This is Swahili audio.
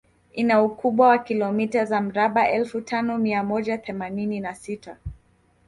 Ina ukubwa wa kilomita za mraba elfu tano mia moja themanini na sita